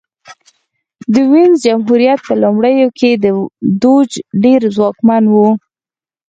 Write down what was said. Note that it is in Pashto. د وینز جمهوریت په لومړیو کې دوج ډېر ځواکمن و